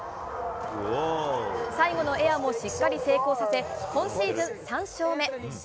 最後のエアもしっかり成功させ今シーズン３勝目。